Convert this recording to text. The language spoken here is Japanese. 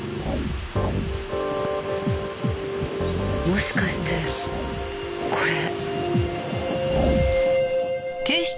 もしかしてこれ。